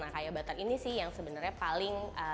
kayak butter ini sih yang sebenernya paling